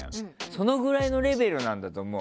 そのくらいのレベルなんだと思う。